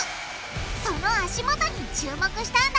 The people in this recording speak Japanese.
その足元に注目したんだ！